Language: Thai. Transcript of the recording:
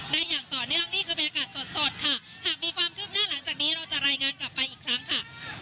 ได้อย่างต่อเนื่องนี่คือบรรยากาศสดสดค่ะ